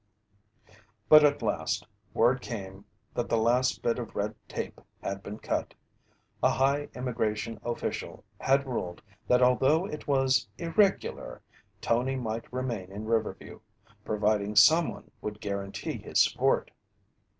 But at last word came that the last bit of red tape had been cut. A high immigration official had ruled that although it was irregular, Tony might remain in Riverview, providing someone would guarantee his support.